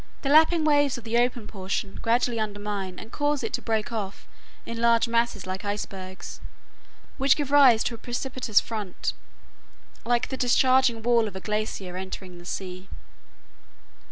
The lapping waves of the open portion gradually undermine and cause it to break off in large masses like icebergs, which gives rise to a precipitous front like the discharging wall of a glacier entering the sea.